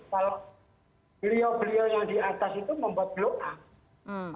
kalau beliau beliau yang di atas itu membuat blow up